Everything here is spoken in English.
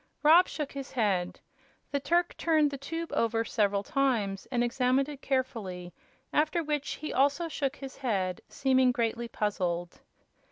Rob shook his head. The Turk turned the tube over several times and examined it carefully, after which he also shook his head, seeming greatly puzzled.